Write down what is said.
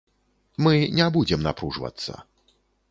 Мы не будзем напружвацца.